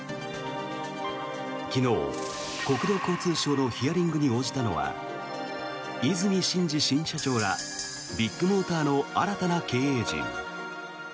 昨日、国土交通省のヒアリングに応じたのは和泉伸二新社長らビッグモーターの新たな経営陣。